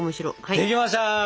できました！